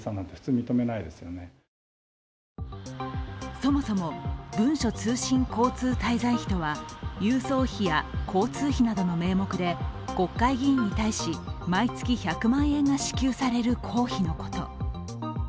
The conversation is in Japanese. そもそも文書通信交通滞在費とは郵送費や交通費などの名目で国会議員に対し毎月１００万円が支給される公費のこと。